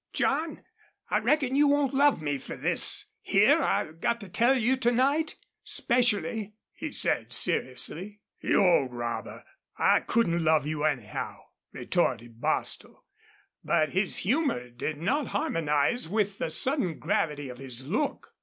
"John, I reckon you won't love me fer this here I've got to tell you, to night specially," he said, seriously. "You old robber, I couldn't love you anyhow," retorted Bostil. But his humor did not harmonize with the sudden gravity of his look.